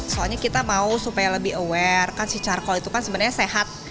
soalnya kita mau supaya lebih aware kan si charcoal itu kan sebenarnya sehat